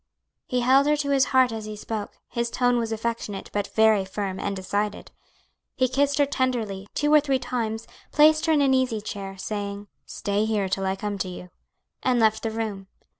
He held her to his heart as he spoke; his tone was affectionate, but very firm, and decided; he kissed her tenderly, two or three times, placed her in an easy chair, saying, "Stay here till I come to you," and left the room.